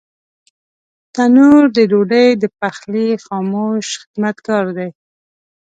تنور د ډوډۍ د پخلي خاموش خدمتګار دی